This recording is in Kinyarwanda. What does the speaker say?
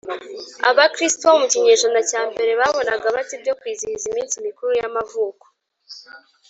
Abakristo bo mu kinyejana cya mbere babonaga bate ibyo kwizihiza iminsi mikuru y amavuko